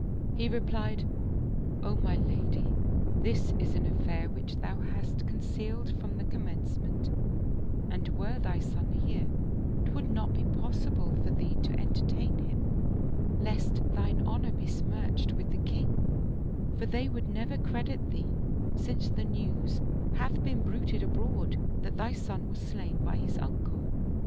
" He replied, " O my lady, this is an affair which thou hast concealed from the commencement, and were thy son here, 'twould not be possible for thee to entertain him, lest thine honor be smirched with the king ; for they would never credit thee, since the news hath been bruited abroad that thy son was slain by his uncle."